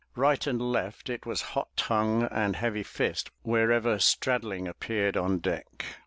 Right and left it was hot tongue and heavy fist wherever Straddling appeared on deck.